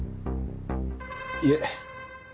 いえ。